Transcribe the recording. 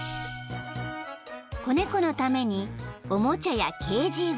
［子猫のためにおもちゃやケージを］